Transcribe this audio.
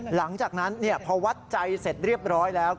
หลังจากนั้นพอวัดใจเสร็จเรียบร้อยแล้ว